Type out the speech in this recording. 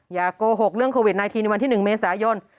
อย่าโกหกเรื่องโควิด๑๙ในวันที่๑เมษายน